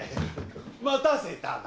待たせたな！